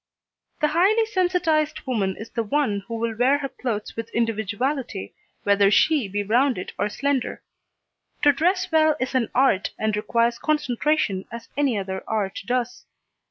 The highly sensitised woman is the one who will wear her clothes with individuality, whether she be rounded or slender. To dress well is an art, and requires concentration as any other art does.